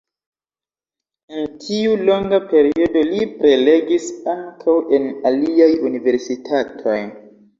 En tiu longa periodo li prelegis ankaŭ en aliaj universitatoj.